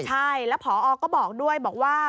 ใช่แล้วพอก็บอกด้วยบอกว่า